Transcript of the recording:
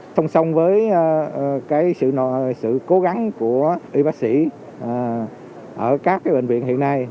song song với sự cố gắng của y bác sĩ ở các bệnh viện hiện nay